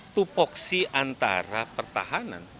itu voksi antara pertahanan